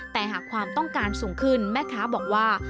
แต่หากความต้องการสูงขึ้นแม่ค้าบอกว่า